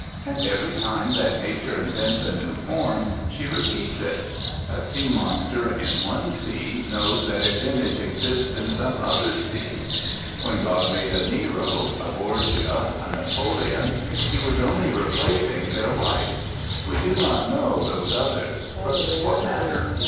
And every time that Nature in vents a new form, she repeats it. A sea monster in one sea knows that its image exists in some other sea. When God made a Nero, a Borgia, a Napoleon, he was only replacing their likes; we do not know those others, but what matter?